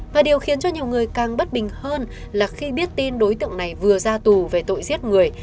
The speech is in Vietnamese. và điều khiến cho nhiều người càng bất bình hơn là khi biết tin đối tượng này vừa ra tù về tội giết người